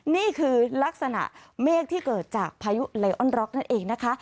นี่คือลักษณะเมฆที่เกิดจากพายุไลออนร็อกนั่นเองนะคะ